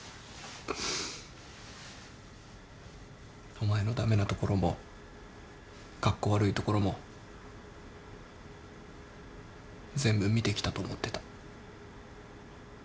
お前の駄目なところもカッコ悪いところも全部見てきたと思ってた。